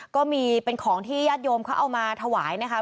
ก็มีเป็นของที่ญาติโยมเขาเอามาถวายนะคะ